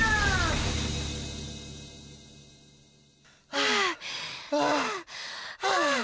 はあはあはあ。